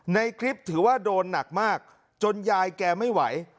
ในคลิปถือว่าโดนหนักมากจนยายแกไม่ไหว